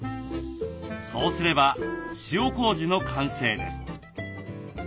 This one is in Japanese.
そうすれば塩こうじの完成です。